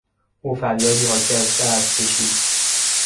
او فریادی حاکی از درد کشید.